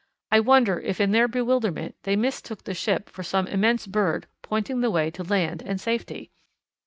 I wonder if in their bewilderment they mistook the ship for some immense bird pointing the way to land and safety!